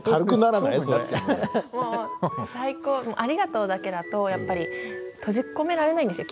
もう最高「ありがとう」だけだとやっぱり閉じ込められないんですよ